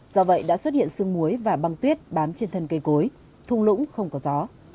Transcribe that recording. do vậy đã xuất hiện sương muối và băng tuyết bám trên thân cây cối thung lũng không có gió